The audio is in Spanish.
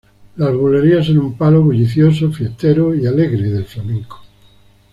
Las bulerías son un palo bullicioso, fiestero y alegre del flamenco.